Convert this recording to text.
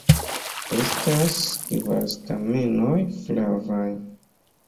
Estas kvar stamenoj, flavaj.